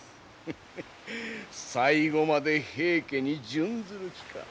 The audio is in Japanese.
フフ最後まで平家に殉ずる気か？